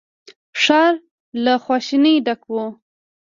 ښار له خواشينۍ ډک و.